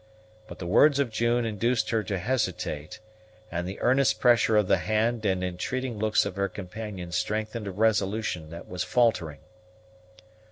But the words of June induced her to hesitate, and the earnest pressure of the hand and entreating looks of her companion strengthened a resolution that was faltering.